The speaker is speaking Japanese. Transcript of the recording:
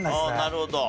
なるほど。